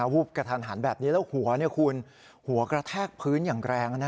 วูบกระทันหันแบบนี้แล้วหัวคุณหัวกระแทกพื้นอย่างแรง